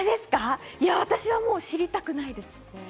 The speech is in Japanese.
私は知りたくないです。